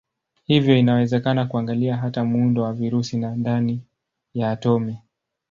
Hivyo inawezekana kuangalia hata muundo wa virusi na ndani ya atomi.